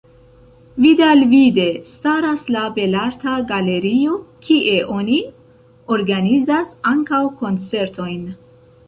Vidalvide staras la Belarta Galerio, kie oni organizas ankaŭ koncertojn.